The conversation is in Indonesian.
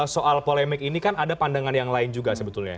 soal polemik ini kan ada pandangan yang lain juga sebetulnya